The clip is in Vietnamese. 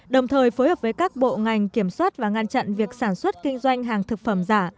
đồng thời phối hợp với các bộ ngành kiểm soát và ngăn chặn việc sản xuất kinh doanh hàng thực phẩm giả